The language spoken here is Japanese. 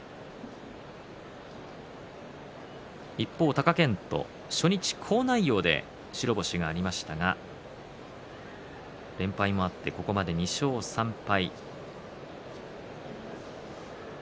貴健斗、初日好内容で白星がありましたが連敗もあって、ここまで２勝３敗。